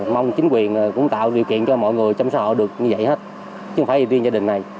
mong chính quyền cũng tạo điều kiện cho mọi người chăm sóc họ được như vậy hết chứ không phải vì viên gia đình này